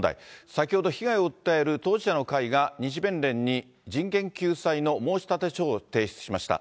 先ほど、被害を訴える当事者の会が、日弁連に人権救済の申立書を提出しました。